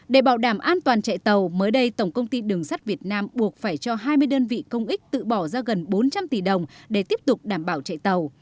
để bảo đảm an toàn chạy tàu mới đây tổng công ty đường sắt việt nam buộc phải cho hai mươi đơn vị công ích tự bỏ ra gần bốn trăm linh tỷ đồng để tiếp tục đảm bảo chạy tàu